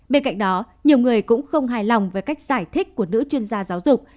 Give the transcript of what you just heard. bên cạnh đó nhiều người cũng không hài lòng với cách giải thích của nữ chuyên gia giáo dục